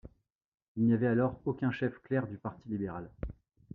Il n'y avait alors aucun chef clair du Parti libéral.